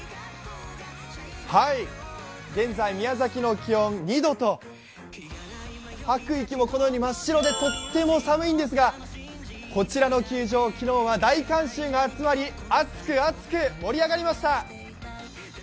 はい、現在宮崎の気温２度と吐く息もこのように真っ白で、とっても寒いんですが、こちらの球場、昨日は大観衆が集まり、熱く熱く盛り上がりました！